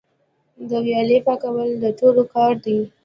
د ویالې پاکول د ټولو کار دی؟